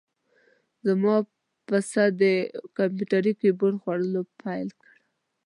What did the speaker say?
زما پسه د کمپیوتر کیبورډ خوړل پیل کړل.